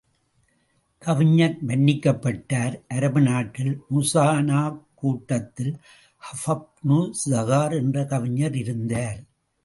கவிஞர் மன்னிக்கப்பட்டார் அரபு நாட்டில் முஸைனாக் கூட்டத்தில் கஃபுப்னு ஸுஹைர் என்ற கவிஞர் இருந்தார்.